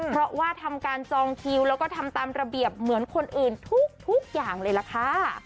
เพราะว่าทำการจองคิวแล้วก็ทำตามระเบียบเหมือนคนอื่นทุกอย่างเลยล่ะค่ะ